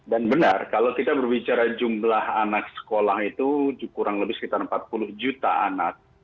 dan benar kalau kita berbicara jumlah anak sekolah itu kurang lebih sekitar empat puluh juta anak